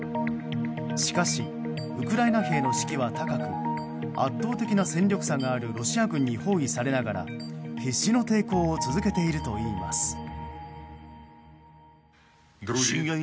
しかしウクライナ兵の士気は高く圧倒的な戦力差があるロシア軍に包囲されながら必死の抵抗を続けているといいます。